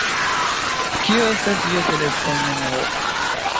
Kio estas via telefon-numero?